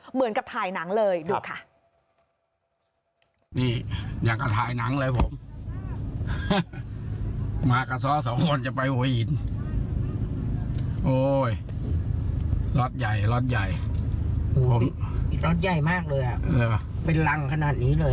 เหมือนกับถ่ายหนังเลยดูค่ะ